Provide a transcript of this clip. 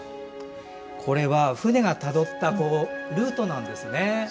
これは舟がたどったルートなんですね。